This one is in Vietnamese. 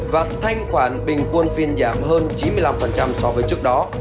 và thanh khoản bình quân phiên giảm hơn chín mươi năm so với trước đó